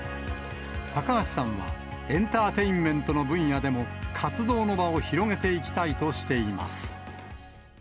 高橋さんは、エンターテインメントの分野でも、活動の場を広げていきたいとしています。